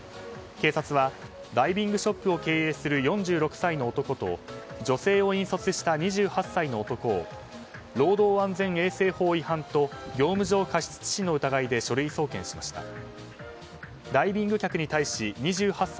警察は、ダイビングショップを経営する４６歳の男と女性を引率した２８歳の男を労働安全衛生法違反と業務上過失致死の疑いで書類送検しました。